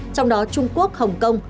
trong đó trung quốc hồng kông